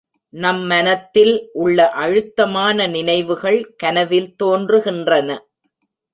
நம் மனத்தில் உள்ள அழுத்தமான நினைவுகள் கனவில் தோன்றுகின்றன.